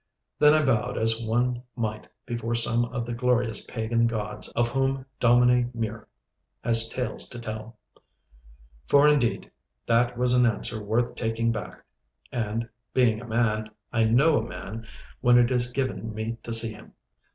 Then I bowed as one might before some of the glorious pagan gods of whom Dominie Mure has tales to tell. For, indeed, that was an answer worth taking back, and, being a man, I know a man when it is given me to see him.